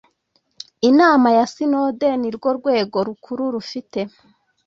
Inama ya Sinode nirwo rwego rukuru rufite